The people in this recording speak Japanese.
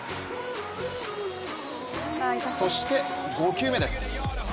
そして５球目です。